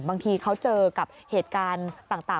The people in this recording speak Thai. บางทีเขาเจอกับเหตุการณ์ต่าง